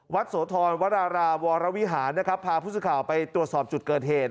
วัดโสธรวรราวรวิหารพาผู้สุข่าวไปตรวจสอบจุดเกิดเหตุ